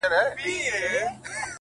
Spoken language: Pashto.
• خیراتونه اورېدل پر بې وزلانو,